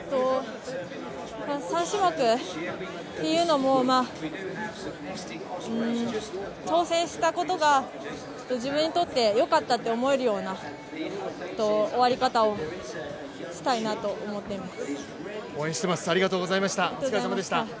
３種目というのも挑戦したことが自分にとってよかったと思えるような終わり方をしたいなと思っています。